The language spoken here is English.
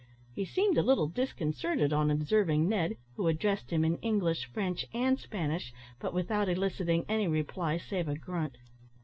He seemed a little disconcerted on observing Ned, who addressed him in English, French, and Spanish, but without eliciting any reply, save a grunt.